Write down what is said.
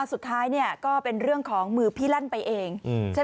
สุดท้ายก็เป็นเรื่องของมือพี่ลั่นไปเอง